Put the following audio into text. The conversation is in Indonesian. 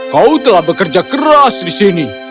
kau telah bekerja keras di sini